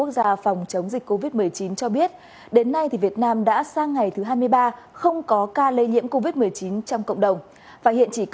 xin chào và hẹn gặp lại